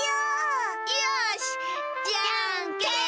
よしじゃんけん。